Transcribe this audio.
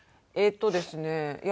えっとですね